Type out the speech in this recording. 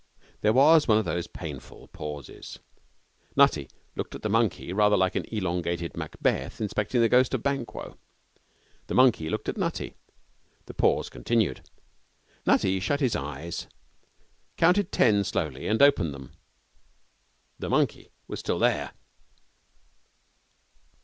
There was one of those painful pauses. Nutty looked at the monkey rather like an elongated Macbeth inspecting the ghost of Banquo. The monkey looked at Nutty. The pause continued. Nutty shut his eyes, counted ten slowly, and opened them. The monkey was still there.